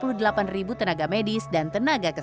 ketua persatuan rumah sakit indonesia mengatakan